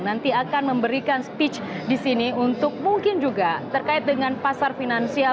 nanti akan memberikan speech di sini untuk mungkin juga terkait dengan pasar finansial